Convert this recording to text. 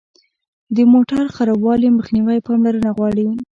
د موټر خرابوالي مخنیوی پاملرنه غواړي.